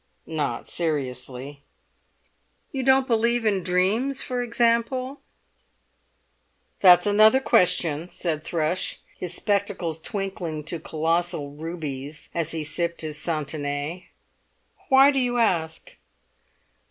"Not seriously." "You don't believe in dreams, for example?" "That's another question," said Thrush, his spectacles twinkling to colossal rubies as he sipped his Santenay. "Why do you ask?"